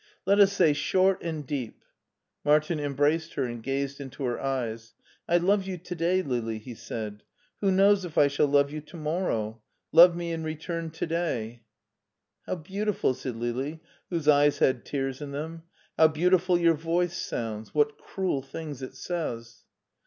"Let us say short and deep/* Martin embraced her and gazed into her eyes. "I love you to day, Lili," he said; "who knows if I shall love you to morrow. Love me in return to day/* " How beautiful/* said Lili, whose eyes had tears in them ;" how beautiful your voice sounds ; what cruel things it sa}rs.